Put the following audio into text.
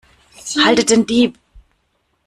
Haltet den Dieb!